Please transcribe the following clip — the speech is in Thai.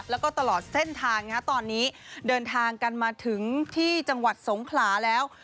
แล้วก็ตลอดเส้นทางตอนนี้เดินทางกันมาถึงที่จังหวัดสงขลาแล้ว